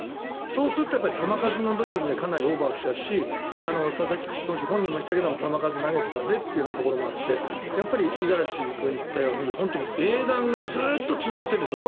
そうすると球数の部分でかなりオーバーしちゃうし佐々木投手本人も言っていたけど球数投げてたのでというところもあってやっぱり五十嵐君が言ったように英断がずっと続いてるんですよ。